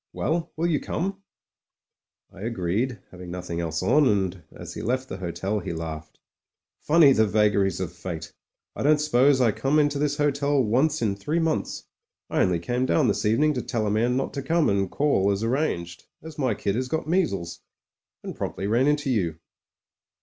Well ! will you come ?" I agreed, having nothing else on, and as he left the hotel, he laughed. "Funny the vagaries of fate. I don't suppose I come into this hotel once in three months. I only came down this evening to tell a man not to come and call as arranged, as my kid has got measles — and promptly ran into you."